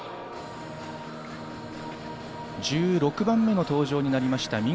１６番目の登場になりました。